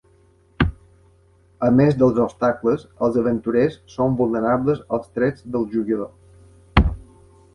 A més dels obstacles, els aventurers són vulnerables als trets del jugador.